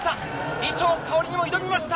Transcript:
伊調馨にも挑みました。